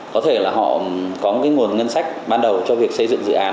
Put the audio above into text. có thể là họ có cái nguồn ngân sách ban đầu cho việc xây dựng dự án